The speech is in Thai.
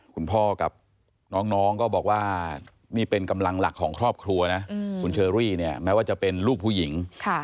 คุณพ่อกับน้องก็บอกว่านี่เป็นกำลังหลักของครอบครัวนะคุณเชอรี่เนี่ยแม้ว่าจะเป็นลูกผู้หญิง